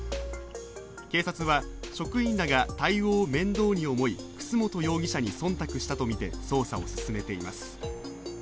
警察は職員らが対応を面倒に思い楠本容疑者に忖度したとみて捜査を進めています。